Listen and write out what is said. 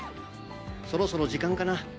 「そろそろ時間かな」